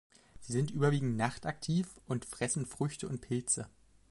Sie sind überwiegend nachtaktiv und fressen Früchte und Pilze.